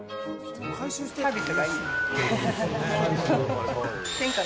サービスがいい。